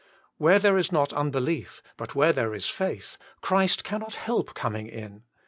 When there is not un belief but where there is faith, Christ cannot help coming in.